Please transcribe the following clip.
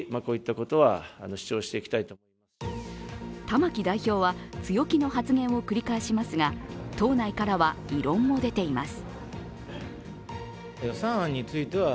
玉木代表は強気の発言を繰り返しますが党内からは、異論も出ています。